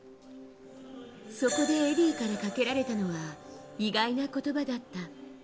そこでエディーからかけられたのは意外な言葉だった。